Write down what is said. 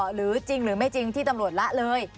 หรือจริงหรือไม่จริงที่ตำรวจละเลย